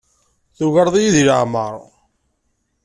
Tugareḍ-iyi deg leɛmeṛ.